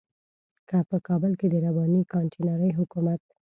که په کابل کې د رباني کانتينري حکومت.